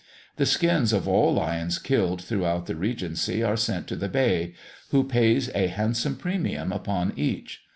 The skins of all lions killed throughout the regency are sent to the Bey, who pays a handsome premium upon each.